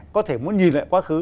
có thể muốn nhìn lại quá khứ